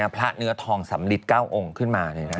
พระเนื้อทองสำลิด๙องค์ขึ้นมา